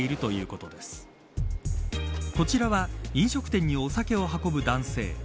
こちらは飲食店にお酒を運ぶ男性。